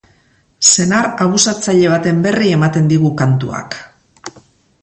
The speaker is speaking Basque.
Senar abusatzaile baten berri ematen digu kantuak.